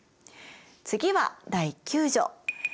次は第９条。